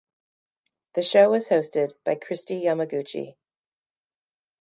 The show was hosted by Kristi Yamaguchi.